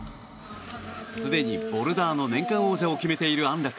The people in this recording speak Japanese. すでにボルダーの年間王者を決めている安楽。